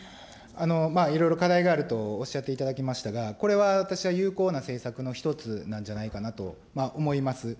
いろいろ課題があるとおっしゃっていただきましたが、これは私は有効な政策の１つなんじゃないかなと思います。